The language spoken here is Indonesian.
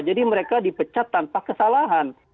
jadi mereka dipecat tanpa kesalahan